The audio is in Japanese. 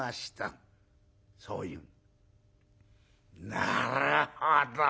「なるほど。